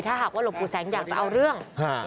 ถ้าหากว่าหลวงปู่แสงอยากจะเอาเรื่อง